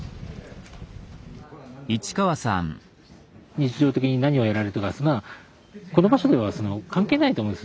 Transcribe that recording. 日常的に何をやられてるとかそんなのはこの場所では関係ないと思うんです。